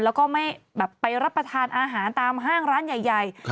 แล้วก็ไม่แบบไปรับประทานอาหารตามห้างร้านใหญ่